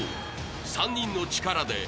［３人の力で笑